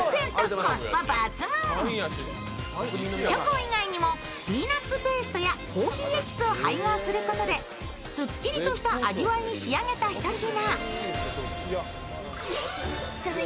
チョコ以外にもピーナッツペーストやコーヒーエキスを配合することですっきりとした味わいに仕上げた一品。